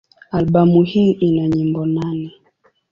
Albamu hii ina nyimbo nane.